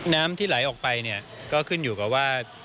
น้ำที่ไหลออกไปเนี่ยก็ขึ้นอยู่กับว่า